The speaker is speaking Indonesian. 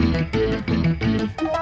loh ini kenapa